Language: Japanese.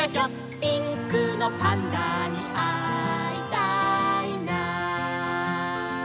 「ピンクのパンダにあいたいな」